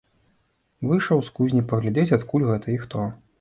Выйшаў з кузні паглядзець, адкуль гэта і хто.